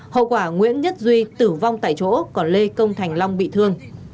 hậu quả nguyễn nhất duy tử vong tại chỗ còn lê công thành long bị thương